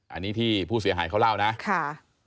อันนี้ที่ผู้เสียหายเขาเล่านะค่ะ